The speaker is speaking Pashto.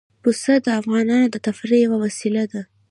پسه د افغانانو د تفریح یوه وسیله ده.